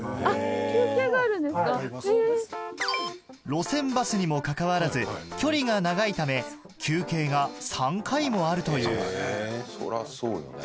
路線バスにもかかわらず距離が長いため休憩が３回もあるというそらそうよね。